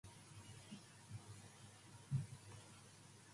Both releases are available for download on the band's website.